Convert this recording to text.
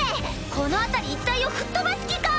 この辺り一帯を吹っ飛ばす気か！